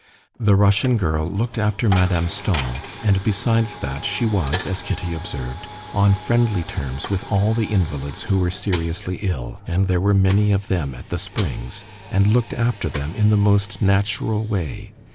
The Russian girl looked after Madame Stahl, and besides that, she was, as Kitty observed, on friendly terms with all the invalids who were seriously ill, and there were many of them at the springs, and looked after them in the most natural way.